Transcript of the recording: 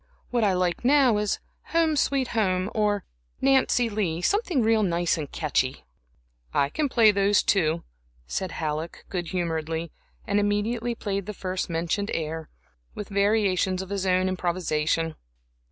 What I like now is 'Home, Sweet Home,' or 'Nancy Lee' something real nice and catchy." "I can play those, too," said Halleck, good humoredly, and immediately played the first mentioned air, with variations of his own improvisation.